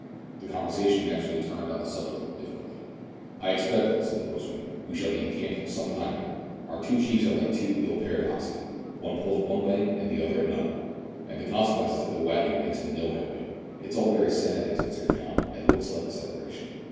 The conversation naturally turned on the subject of the difficulty. " I expect," said the bushman, " we shall be encamped some time here. Our two chiefs are like ill paired oxen, one pulls one way and the other another, and the conse quence is that the waggon makes no headway." "It is all very sad," answered Sir John, "and looks like a separation.